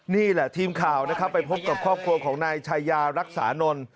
นี่แหละทีมข่าวนะครับไปพบกับครอบครัวของนายชายารักษานนท์